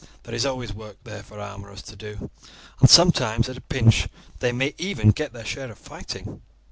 There is always work there for armourers to do, and sometimes at a pinch they may even get their share of fighting."